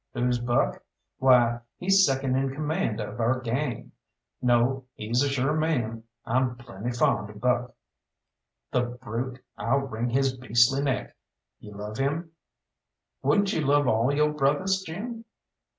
Who's Buck? Why, he's second in command of our gang. No, he's a sure man. I'm plenty fond of Buck." "The brute! I'll wring his beastly neck! You love him?" "Wouldn't you love all yo' brothers, Jim?"